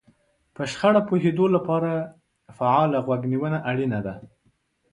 په شخړه پوهېدو لپاره فعاله غوږ نيونه اړينه ده.